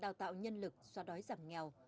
đào tạo nhân lực xóa đói giảm nghèo